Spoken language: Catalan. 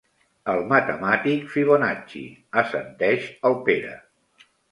El matemàtic Fibonacci —assenteix el Pere.